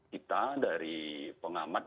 kita dari pengamat